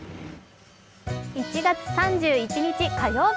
１月３１日火曜日